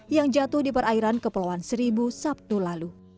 yang jatuh di perairan kepulauan seribu sabtu lalu